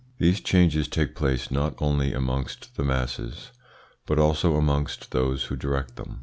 These changes take place not only amongst the masses, but also amongst those who direct them.